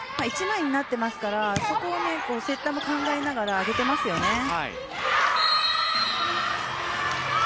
１枚になっていますからそこをセッターも考えながら上げていますよね。